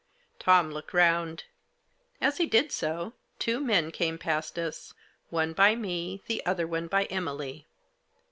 Tom looked round. As he did so, two men came past us, one by me, the other one by Emily.